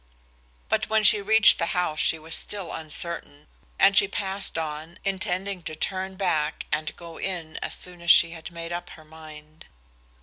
But when she reached the house she was still uncertain, and she passed on, intending to turn back and go in as soon as she had made up her mind.